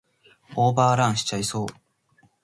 オーバーランしちゃいそう